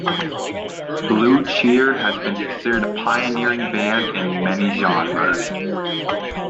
Blue Cheer has been considered a pioneering band in many genres.